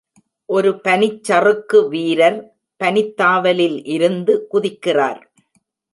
ஒரு பனிச்சறுக்கு வீரர் பனித்தாவலில் இருந்து குதிக்கிறார்.